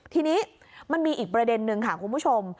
ทีนี้มันมีอีกประเด็นนึงค่ะคุณผู้ชม